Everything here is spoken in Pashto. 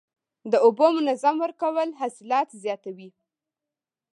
د اوبو منظم ورکول حاصلات زیاتوي.